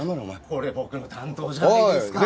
これ僕の担当じゃないですか。